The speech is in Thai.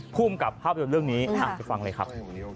ภูมิกับภาพยนตร์เรื่องนี้ไปฟังเลยครับ